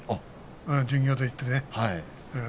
巡業で行ってね。